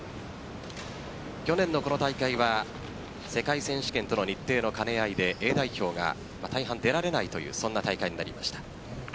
去年のこの大会は世界選手権との日程の兼ね合いでＡ代表が大半出られないという大会になりました。